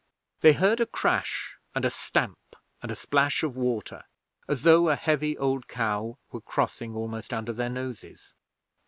They heard a crash, and a stamp and a splash of water as though a heavy old cow were crossing almost under their noses.